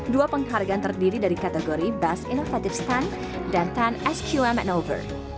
dua penghargaan terdiri dari kategori best innovative stand dan sepuluh sqm and over